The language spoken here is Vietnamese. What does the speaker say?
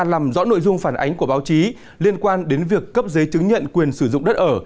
làm rõ nội dung phản ánh của báo chí liên quan đến việc cấp giấy chứng nhận quyền sử dụng đất ở